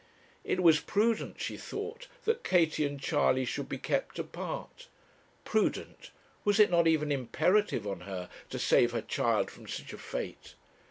It was prudent, she thought, that Katie and Charley should be kept apart. Prudent! was it not even imperative on her to save her child from such a fate?